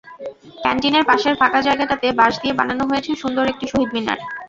ক্যানটিনের পাশের ফাঁকা জায়গাটাতে বাঁশ দিয়ে বানানো হয়েছে সুন্দর একটি শহীদ মিনার।